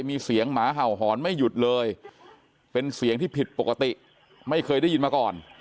มีเสียงหมาเห่าหอนไม่หยุดเลยเป็นเสียงที่ผิดปกติไม่เคยได้ยินมาก่อน